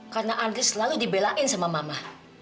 karena andri selalu dibelain sama mama